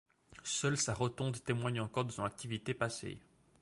Seule sa rotonde témoigne encore de son activité passée.